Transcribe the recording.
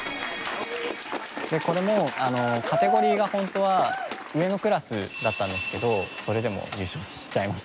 これもカテゴリーがホントは上のクラスだったんですけどそれでも優勝しちゃいましたね。